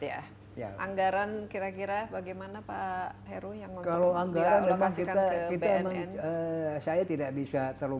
ya anggaran kira kira bagaimana pak heru yang kalau anggaran memang kita saya tidak bisa terlalu